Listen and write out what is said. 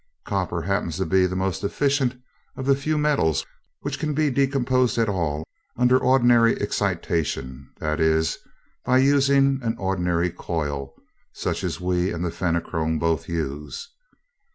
Copper happens to be the most efficient of the few metals which can be decomposed at all under ordinary excitation that is, by using an ordinary coil, such as we and the Fenachrone both use.